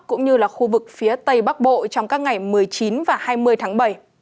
cũng như là khu vực phía tây bắc bộ trong các ngày một mươi chín và hai mươi tháng bảy